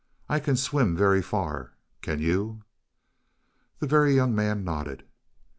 I can swim very far can you?" The Very Young Man nodded.